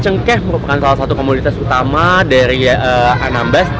cengkeh merupakan salah satu komoditas utama dari anambas